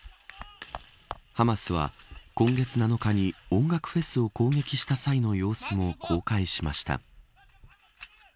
ハマスは今月７日に音楽フェスを攻撃した際の様子を公開しました。